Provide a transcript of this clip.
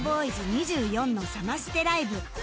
２４のサマステライブ